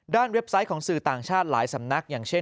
เว็บไซต์ของสื่อต่างชาติหลายสำนักอย่างเช่น